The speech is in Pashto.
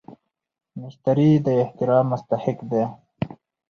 مشتري د احترام مستحق دی.